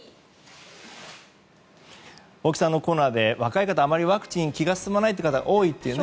大木さんのコーナーで若い方、あまりワクチン気が進まないという方が多いというね。